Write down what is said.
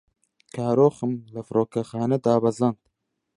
کارۆخم لە فڕۆکەخانە دابەزاند.